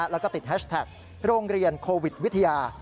แล้วก็ติดแฮชแท็กโรงเรียนโควิดวิทยา